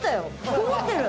曇ってる。